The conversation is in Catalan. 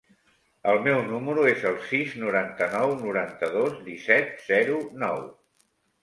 El meu número es el sis, noranta-nou, noranta-dos, disset, zero, nou.